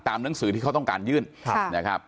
หนังสือที่เขาต้องการยื่นนะครับ